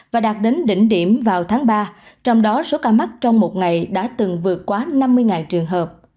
và đạt đến đỉnh điểm vào tháng ba trong đó số ca mắc trong một ngày đã từng vượt quá năm mươi trường hợp